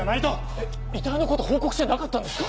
えっ遺体のこと報告してなかったんですか